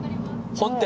本店。